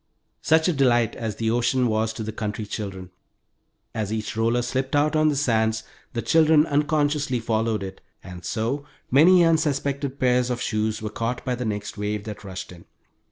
Such a delight as the ocean was to the country children! As each roller slipped out on the sands the children unconsciously followed it, and so, many unsuspected pairs of shoes were caught by the next wave that washed in.